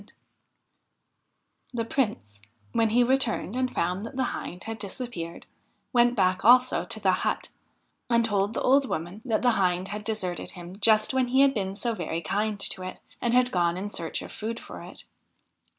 H 57 THE HIND OF THE WOOD The Prince, when he returned and found that the Hind had disappeared, went back also to the hut, and told the old woman that the Hind had deserted him just when he had been so very kind to it and had gone in search of food for it.